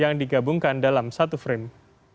yang digabungkan dalam satu frame